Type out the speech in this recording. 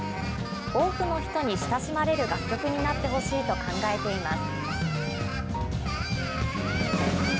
多くの人に親しまれる楽曲になってほしいと考えています。